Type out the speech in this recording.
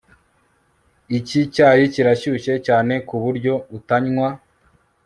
Iki cyayi kirashyushye cyane ku buryo utanywa